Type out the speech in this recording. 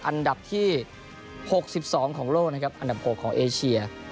อันดับที่๖๒ของโลกนะครับอันดับ๖ของเอเชีย